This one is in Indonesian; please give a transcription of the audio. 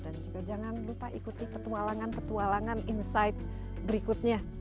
dan juga jangan lupa ikuti petualangan petualangan insight berikutnya